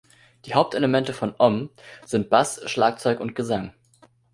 Die Hauptelemente von Om sind Bass, Schlagzeug und Gesang.